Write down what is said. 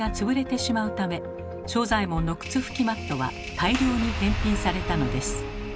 正左衛門の「靴拭きマット」は大量に返品されたのです。